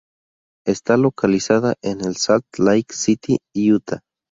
Está localizada en en Salt Lake City, Utah.